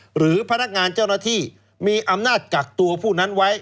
หรือพนักงานเจ้าหน้าที่มีอำนาจกักตัวผู้นั้นไว้